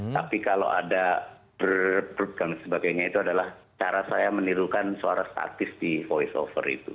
tapi kalau ada berprut dan sebagainya itu adalah cara saya menirukan suara statis di voice over itu